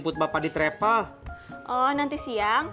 mah apa jalan ya